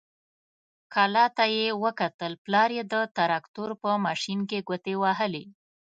کلا ته يې وکتل، پلار يې د تراکتور په ماشين کې ګوتې وهلې.